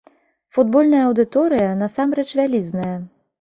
Футбольная аўдыторыя насамрэч вялізная.